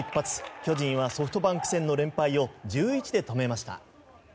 巨人はソフトバンク戦の連敗を１１で止めました。